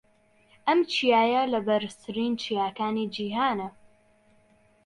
ئەم چیایە لە بەرزترین چیاکانی جیھانە.